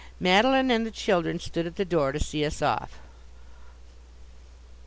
Madeline and the children stood at the door to see us off.